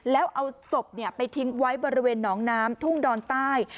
แล้วเอาศพไปทิ้งไว้บริเวณหนองน้ำทุ่งดอนใต้